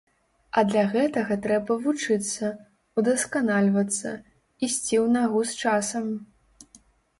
А для гэтага трэба вучыцца, удасканальвацца, ісці ў нагу з часам.